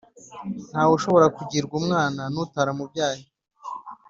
Ntawe ushobora kugirwa umwana n utaramubyaye